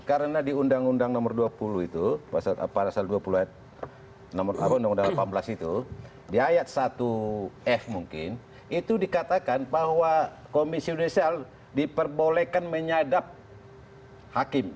karena di undang undang nomor dua puluh itu pada saat dua puluh apa undang undang delapan belas itu di ayat satu f mungkin itu dikatakan bahwa komisi judisial diperbolehkan menyadap hakim